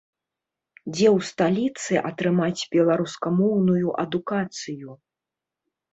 Дзе ў сталіцы атрымаць беларускамоўную адукацыю.